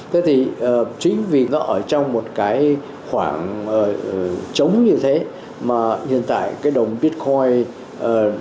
thế thì chính vì nó ở trong một cái khoảng trống như thế mà hiện tại cái đồng bitcoin